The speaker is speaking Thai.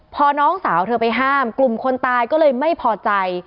พอน้องสาวเธอไปห้ามกลุ่มคนตายก็เลยไม่พอใจ